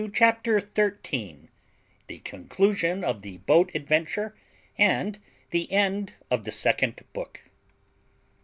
CHAPTER THIRTEEN THE CONCLUSION OF THE BOAT ADVENTURE, AND THE END OF THE SECOND BOOK.